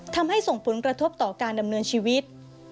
ส่งผลกระทบต่อการดำเนินชีวิต